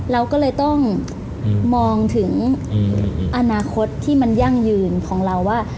เราก็เลยต้องมองถึงอนาคตที่มันยั่งยืนของเราว่า